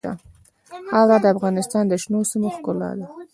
خاوره د افغانستان د شنو سیمو ښکلا ده.